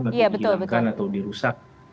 ini mungkin dihilangkan atau dirusak